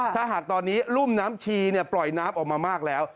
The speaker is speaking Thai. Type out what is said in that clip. ถ้าหากตอนนี้รุ่มน้ำชีปล่อยน้ำออกมามากแล้ว